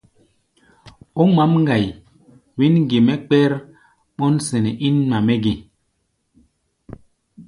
Ó ŋmǎʼm ŋgai, wɛ̌n ge mɛ́ kpɛ́r ɓɔ́nsɛnɛ́ ín ŋma-mɛ́ ge?